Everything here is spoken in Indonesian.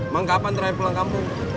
bang kapan terakhir pulang kampung